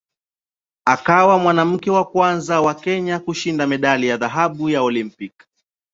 Akawa mwanamke wa kwanza wa Kenya kushinda medali ya dhahabu ya Olimpiki.